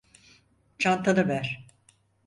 Çantanı ver.